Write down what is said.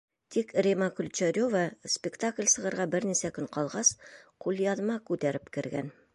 Тик Рима Ключарева спектакль сығырға бер нисә көн ҡалғас, ҡулъяҙма күтәреп кергән.